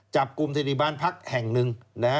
จับกลุ่มธนิบาลพักษ์แห่งหนึ่ง